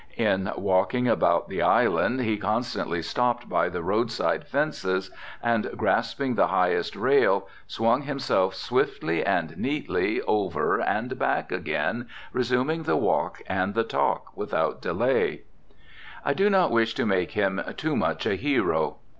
In walking about the island, he constantly stopped by the roadside fences, and, grasping the highest rail, swung himself swiftly and neatly over and back again, resuming the walk and the talk without delay. I do not wish to make him too much a hero.